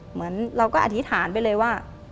เหมือนเราก็อธิษฐานไปเลยว่า